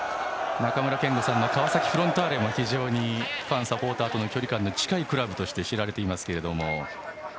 中村憲剛さんの川崎フロンターレも非常にファン、サポーターとの距離感が近いクラブとして知られています。